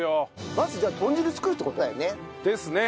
まず豚汁作るって事だよね。ですね。